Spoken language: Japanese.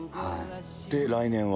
で、来年は？